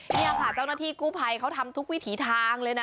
นี่ค่ะเจ้าหน้าที่กู้ภัยเขาทำทุกวิถีทางเลยนะ